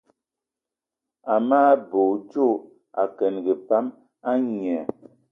Amage bè odjo akengì pam a ngné.